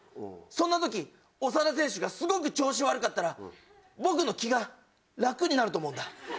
そんなとき長田選手がすごく調子悪かったら僕の気が楽になると思うんだ。